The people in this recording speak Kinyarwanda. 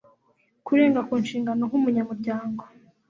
kurenga ku nshingano nk'umunyamuryango